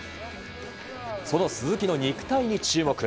その鈴木の肉体に注目。